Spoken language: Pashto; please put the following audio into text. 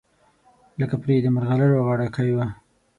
لکه پرې د مرغلرو غاړګۍ وه